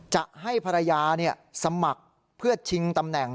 จะให้ภรรยาสมัครเพื่อชิงตำแหน่ง